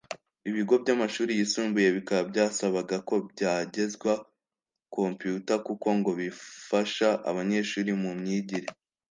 Ibigo byamashuri yisumbuye bikaba byasabaga ko byagezwa computer kuko ngo bifasha abanyeshuri mu myigire